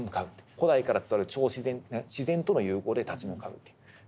古代から伝わる超自然自然との融合で立ち向かうという。